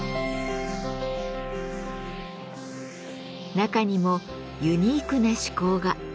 中にもユニークな趣向が。